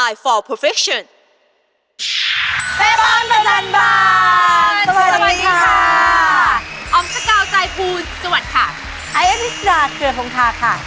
ไออันทริสตาเครือฮงทาค่ะ